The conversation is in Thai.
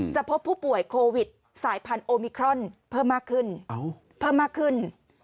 พบผู้ป่วยโควิดสายพันธุมิครอนเพิ่มมากขึ้นเพิ่มมากขึ้น